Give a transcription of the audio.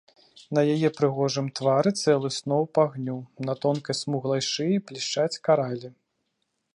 На яе прыгожым твары цэлы сноп агню, на тонкай смуглай шыі блішчаць каралі.